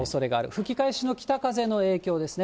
吹き返しの北風の影響ですね。